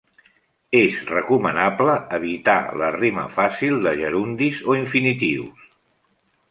És recomanable evitar la rima fàcil de gerundis o infinitius.